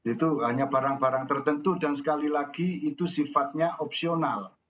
itu hanya barang barang tertentu dan sekali lagi itu sifatnya opsional